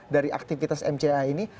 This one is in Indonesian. dari aktivitas mca ini